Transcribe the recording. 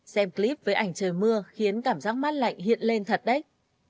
xem clip với ảnh trời mưa khiến cảm giác mát lạnh hiện lên thật đấy